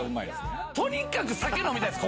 とにかく酒飲みたいんです